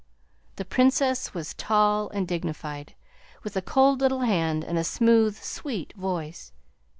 The Princess was tall and dignified, with a cold little hand and a smooth, sweet voice.